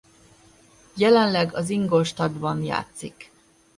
Jelenleg az Ingolstadtban játszik.